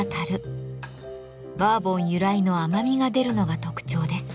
バーボン由来の甘みが出るのが特徴です。